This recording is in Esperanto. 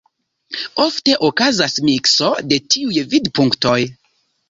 Ofte okazas mikso de tiuj vidpunktoj.